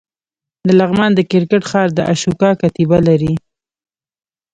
د لغمان د کرکټ ښار د اشوکا کتیبه لري